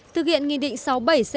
thực hiện nghi định sau bàn giao